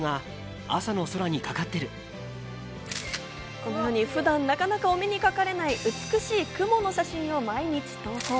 このように普段なかなかお目にかかれない美しい雲の写真を毎日投稿。